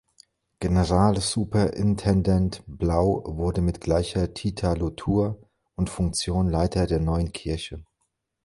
Generalsuperintendent Blau wurde mit gleicher Titulatur und Funktion Leiter der neuen Kirche.